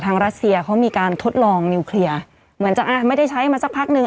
รัสเซียเขามีการทดลองนิวเคลียร์เหมือนจะอ่ะไม่ได้ใช้มาสักพักหนึ่ง